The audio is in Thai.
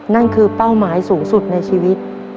นั่นคือเป้าหมายสูงสุดในชีวิต